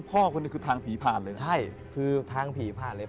พ่อคนนี้คือทางผีผ่านเลย